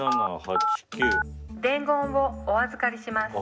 伝言をお預かりします。